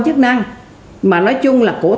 chức năng mà nói chung là của